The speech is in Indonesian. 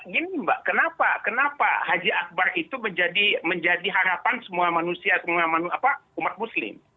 gini mbak kenapa kenapa haji akbar itu menjadi harapan semua manusia umat muslim